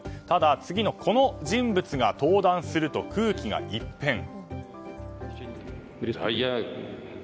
ただ、次のこの人物が登壇すると空気が一変。